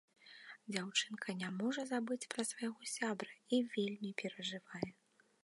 Дзяўчынка не можа забыць пра свайго сябра і вельмі перажывае.